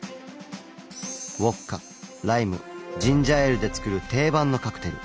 ウォッカライムジンジャーエールで作る定番のカクテル。